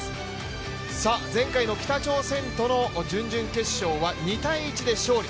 前回の北朝鮮との準々決勝は２−１で勝利。